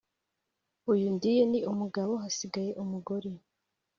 uyu ndiye ni umugabo, hasigaye umugore